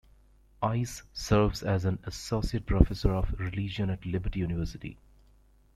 Ice serves as an Associate Professor of Religion at Liberty University.